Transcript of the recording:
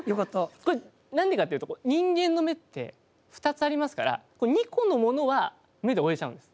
これ何でかっていうと人間の目って２つありますから２個のものは目で追えちゃうんです。